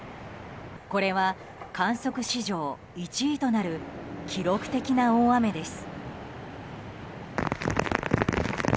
これは観測史上１位となる記録的な大雨です。